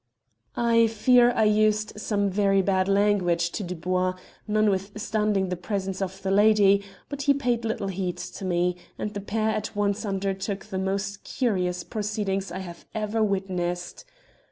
"I fear I used some very bad language to Dubois, notwithstanding the presence of the lady, but he paid little heed to me, and the pair at once undertook the most curious proceedings I have ever witnessed.